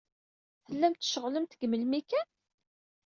Tellamt tceɣlemt seg melmi kan?